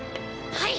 はい！